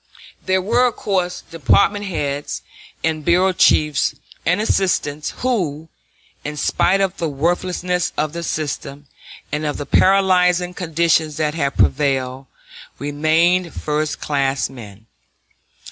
There were of course department heads and bureau chiefs and assistants who, in spite of the worthlessness of the system, and of the paralyzing conditions that had prevailed, remained first class men.